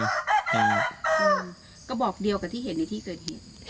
กระบอกเดียวกับที่เห็นในที่เกิดเหตุ